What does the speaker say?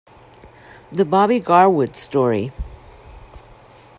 The Bobby Garwood Story.